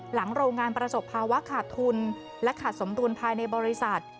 โรงงานประสบภาวะขาดทุนและขาดสมดุลภายในบริษัท